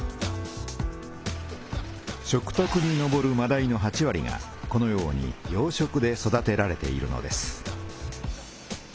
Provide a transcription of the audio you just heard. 食たくにのぼるまだいの８割がこのように養殖で育てられているのです。